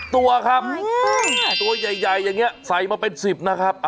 ตัวใหญ่อย่างเนี้ยใสมาเป็น๑๐นะครับ